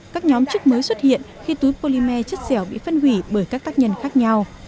các nhóm chất mới xuất hiện khi túi polymer chất dẻo bị phân hủy bởi các tác nhân khác nhau